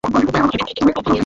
আমি তাদের বোকা বানিয়েছিলাম।